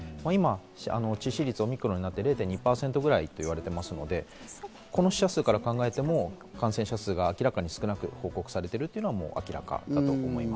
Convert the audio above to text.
致死率、オミクロンになって、０．１％ぐらいになっていますので、この死者数から考えても感染者数が明らかに少なく報告されているのは明らかだと思います。